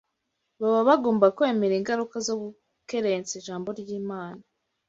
baba bagomba kwemera ingaruka zo gukerensa Ijambo ry’Imana.